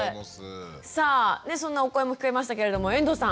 さあそんなお声も聞けましたけれども遠藤さん。